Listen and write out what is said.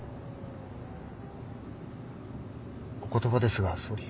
お言葉ですが総理。